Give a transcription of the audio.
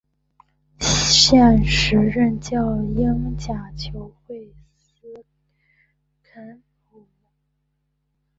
现时任教英甲球会斯肯索普。